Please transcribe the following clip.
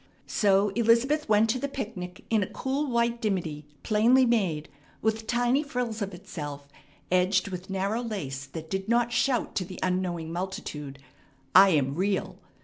So Elizabeth went to the picnic in a cool white dimity, plainly made, with tiny frills of itself, edged with narrow lace that did not shout to the unknowing multitude, "I am real!"